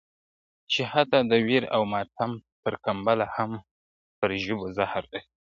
چي حتی د ویر او ماتم پر کمبله هم پر ژبو زهر لري `